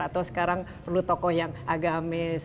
atau sekarang perlu tokoh yang agamis